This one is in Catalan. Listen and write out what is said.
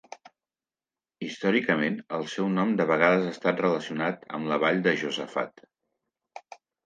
Històricament, el seu nom de vegades ha estat relacionat amb la vall de Josafat.